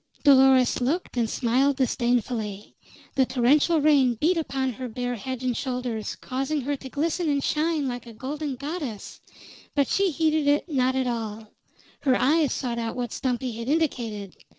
Dolores looked, and smiled disdainfully. The torrential rain beat upon her bare head and shoulders, causing her to glisten and shine like a golden goddess; but she heeded it not at all; her eyes sought out what Stumpy had indicated.